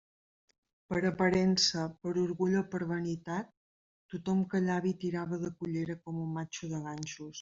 Per aparença, per orgull o per vanitat, tothom callava i tirava de collera com un matxo de ganxos.